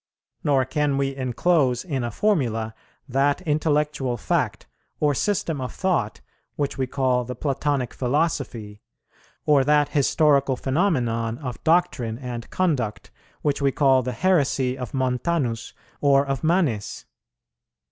Nor can we inclose in a formula that intellectual fact, or system of thought, which we call the Platonic philosophy, or that historical phenomenon of doctrine and conduct, which we call the heresy of Montanus or of Manes.